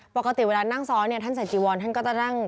ปกติเวลานั่งซ้อนเนี่ยท่านใส่จีวอนท่านก็จะนั่ง